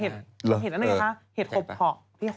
เห็ดนี้นะคะเห็ดผมพอกพี่พอกไม่ได้